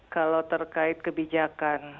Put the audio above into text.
kalau terkait kebijakan